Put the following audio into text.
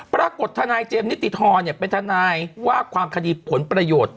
ทนายเจมส์นิติธรเป็นทนายว่าความคดีผลประโยชน์